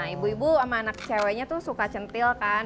ibu ibu sama anak ceweknya tuh suka centil kan